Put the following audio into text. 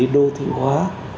đô thị hòa